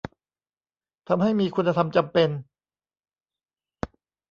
ทำให้มีคุณธรรมจำเป็น